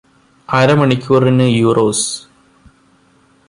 അരമണിക്കൂറിന് യൂറോസ്